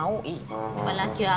gue juga ngga mau ih